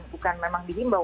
bukan memang dihimbau